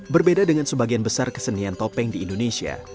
berbeda dengan sebagian besar kesenian topeng di indonesia